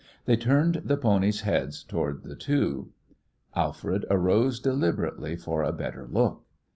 They turned, the ponies' heads toward the two. Alfred arose deliberately for a better look.